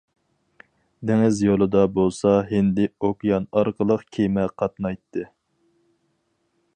دېڭىز يولىدا بولسا ھىندى ئوكيان ئارقىلىق كېمە قاتنايتتى.